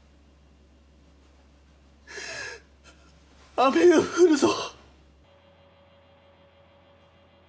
雨が降るぞ。